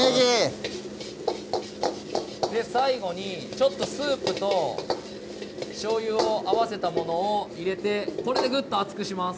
最後にちょっとスープとしょうゆを合わせたものを入れてこれでグッと熱くします